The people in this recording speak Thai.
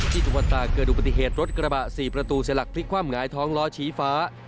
จังหวัดตาเกิดอุบัติเหตุรถกระบะ๔ประตูเสียหลักพลิกความหงายท้องล้อชี้ฟ้า